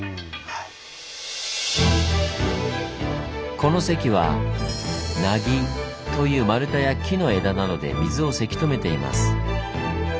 この堰は「投渡木」という丸太や木の枝などで水をせき止めています。